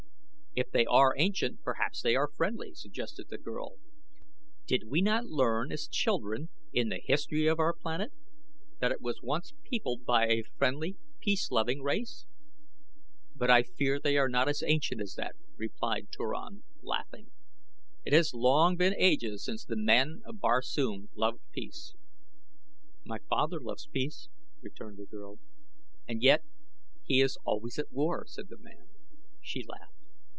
"If they are ancient perhaps they are friendly," suggested the girl. "Did we not learn as children in the history of our planet that it was once peopled by a friendly, peace loving race?" "But I fear they are not as ancient as that," replied Turan, laughing. "It has been long ages since the men of Barsoom loved peace." "My father loves peace," returned the girl. "And yet he is always at war," said the man. She laughed.